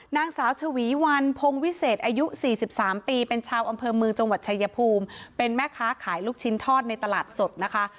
นางสาวชวีวันพงวิเศษอายุ๔๓ปีเป็นชาวอำเภอเมืองจังหวัดชายภูมิเป็นแม่ค้าขายลูกชิ้นทอดในตลาดสดนะคะ